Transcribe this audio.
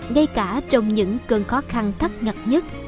ngay cả trong những cơn khó khăn thắt ngặt nhất